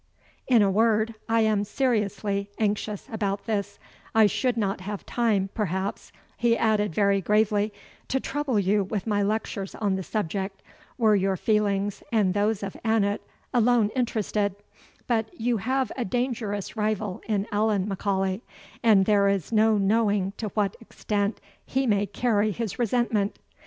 In a word, I am seriously anxious about this I should not have time, perhaps," he added very gravely, "to trouble you with my lectures on the subject, were your feelings, and those of Annot, alone interested; but you have a dangerous rival in Allan M'Aulay; and there is no knowing to what extent he may carry his resentment.